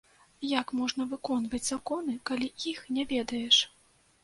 Як можна выконваць законы, калі іх не ведаеш?